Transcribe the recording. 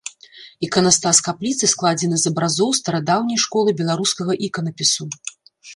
Іканастас капліцы складзены з абразоў старадаўняй школы беларускага іканапісу.